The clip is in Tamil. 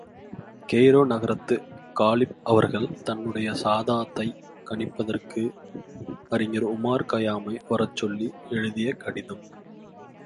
கெய்ரோ நகரத்துக் காலிப் அவர்கள், தன்னுடைய சாதாத்தைக் கணிப்பதற்காக அறிஞர் உமார் கயாமை வரச்சொல்லி எழுதிய கடிதம்.